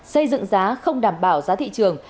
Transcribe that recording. xây dựng giá không đảm bảo giá thị trường